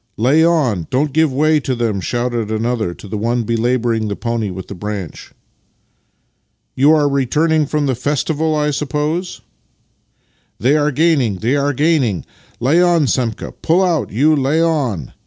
"Lay on! Don't give way to them!" shouted another to the one belabouring the pony with the branch. " You are returning from the festival, I suppose? "" They are gaining, they are gaining! Lay on, Semka! Pull out, you! Lay on!"